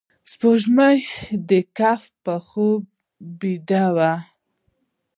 سپوږمۍ د کهف په خوب بیده ده